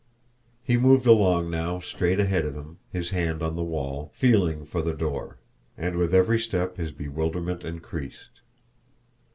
He moved along now straight ahead of him, his hand on the wall, feeling for the door and with every step his bewilderment increased.